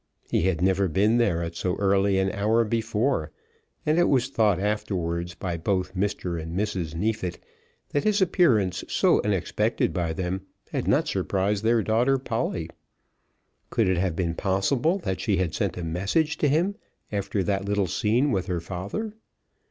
He had never been there at so early an hour before, and it was thought afterwards by both Mr. and Mrs. Neefit that his appearance, so unexpected by them, had not surprised their daughter Polly. Could it have been possible that she had sent a message to him after that little scene with her father?